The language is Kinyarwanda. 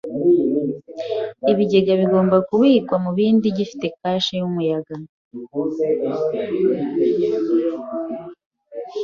Ibigega bigomba kubikwa mu kibindi gifite kashe yumuyaga.